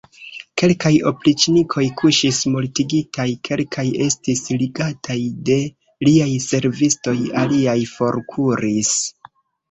Kelkaj opriĉnikoj kuŝis mortigitaj, kelkaj estis ligataj de liaj servistoj, aliaj forkuris.